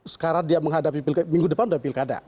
sekarang dia menghadapi minggu depan sudah pilkada